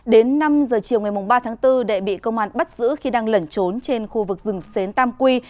đến năm giờ chiều ngày ba tháng bốn đệ bị công an bắt giữ khi đang lẩn trốn trên khu vực rừng xến tam quy